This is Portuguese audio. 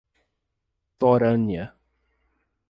Florânia